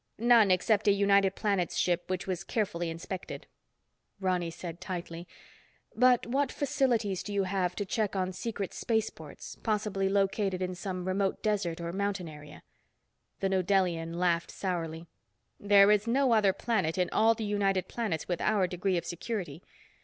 "None except a United Planets ship which was carefully inspected." Ronny said tightly, "But what facilities do you have to check on secret spaceports, possibly located in some remote desert or mountain area?" The New Delian laughed sourly. "There is no other planet in all the United Planets with our degree of security.